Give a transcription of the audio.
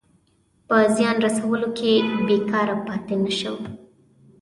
په زیان رسولو کې بېکاره پاته نه شو.